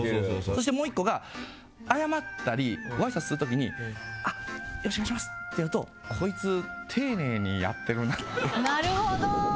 そして、もう１個が謝ったり、ごあいさつする時によろしくお願いしますってやるとこいつ丁寧にやってるなって。